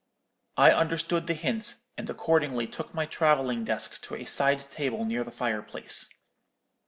"I understood the hint, and accordingly took my travelling desk to a side table near the fireplace.